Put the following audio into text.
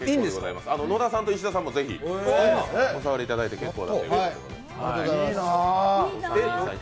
野田さんと石田さんもぜひお触りいただいて結構です。